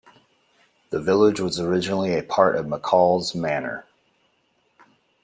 The village was originally a part of McCall's Manor.